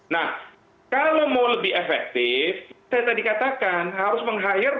nah kalau mau lebih efektif saya tadi katakan harus meng hire